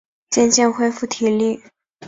渐渐恢复体力